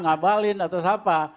ngabalin atau siapa